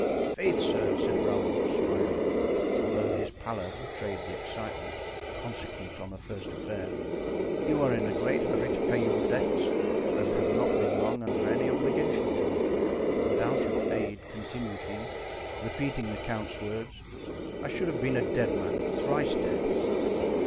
"Faith, sir," said Raoul, smiling, although his pallor betrayed the excitement consequent on a first affair, "you are in a great hurry to pay your debts and have not been long under any obligation to me. Without your aid," continued he, repeating the count's words "I should have been a dead man—thrice dead."